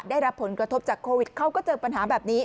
ได้รับผลกระทบจากโควิดเขาก็เจอปัญหาแบบนี้